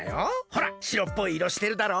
ほらしろっぽいいろしてるだろ？